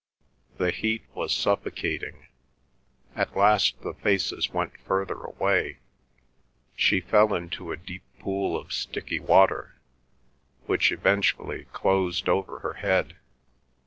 The heat was suffocating. At last the faces went further away; she fell into a deep pool of sticky water, which eventually closed over her head.